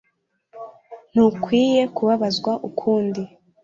Ntukwiye kubabazwa ukundi